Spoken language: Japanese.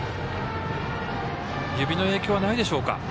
指の影響はないでしょうか。